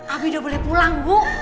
abi udah boleh pulang bu